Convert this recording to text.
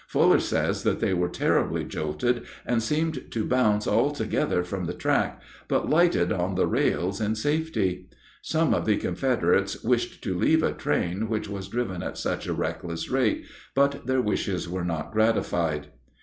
Fuller says that they were terribly jolted, and seemed to bounce altogether from the track, but lighted on the rails in safety. Some of the Confederates wished to leave a train which was driven at such a reckless rate, but their wishes were not gratified.